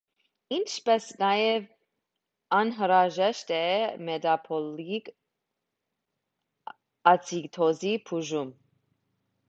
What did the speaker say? Ինչպես նաև անհրաժեշտ է մետաբոլիկ ացիդոզի բուժում։